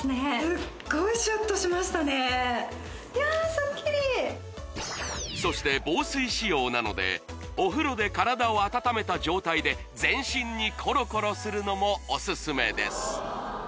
すっきりそして防水仕様なのでお風呂で体を温めた状態で全身にコロコロするのもオススメです